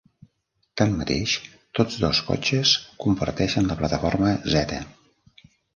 Tanmateix, tots dos cotxes comparteixen la plataforma Zeta.